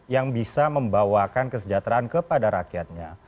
yang bisa membawakan kesejahteraan kepada rakyatnya